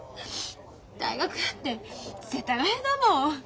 大学だって世田谷だもん。